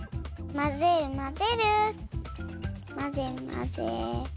まぜまぜ。